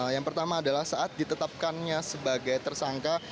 yang pertama adalah saat ditetapkannya sebagai tersangka